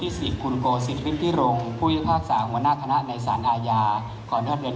ถือว่าชีวิตที่ผ่านมายังมีความเสียหายแก่ตนและผู้อื่น